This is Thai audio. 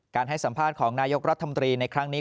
ให้สัมภาษณ์ของนายกรัฐมนตรีในครั้งนี้